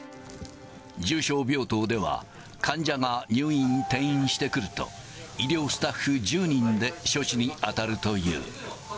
重症病棟では、患者が入院・転院してくると、医療スタッフ１０人で処置に当たるという。